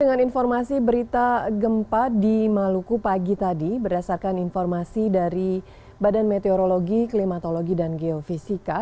dengan informasi berita gempa di maluku pagi tadi berdasarkan informasi dari badan meteorologi klimatologi dan geofisika